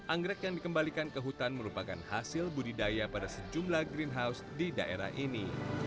anggrek yang dikembalikan ke hutan merupakan hasil budidaya pada sejumlah greenhouse di daerah ini